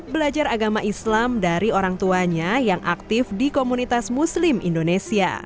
belajar agama islam dari orang tuanya yang aktif di komunitas muslim indonesia